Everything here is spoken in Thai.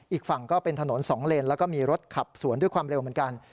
อีกฝั่งก็เป็นถนน๒เลนแล้วก็มีรถขับสวนด้วยความเร็วเหมือนกัน